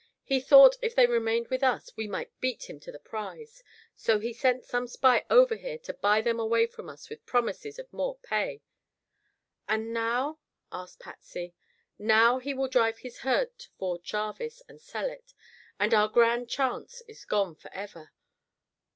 He thought if they remained with us, we might beat him to the prize; so he sent some spy over here to buy them away from us with promises of more pay." "And now?" asked Patsy. "Now he will drive his herd to Fort Jarvis and sell it, and our grand chance is gone forever."